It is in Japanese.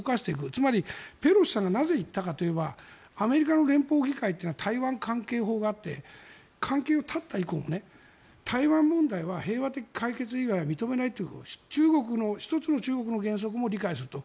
つまり、ペロシさんがなぜ行ったかといえばアメリカの連邦議会というのは台湾関係法があって関係を絶った以降は台湾問題は平和的解決以外は認めないという一つ中国の原則も理解すると。